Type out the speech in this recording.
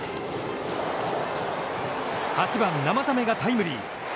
８番生田目がタイムリー！